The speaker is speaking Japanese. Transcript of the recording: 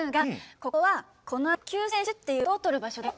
ここはこのあと「救世主」っていうコントを撮る場所だよ。